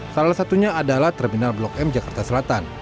salah satunya adalah terminal blok m jakarta selatan